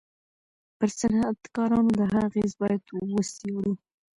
پر صنعتکارانو د هغه اغېز بايد و څېړو.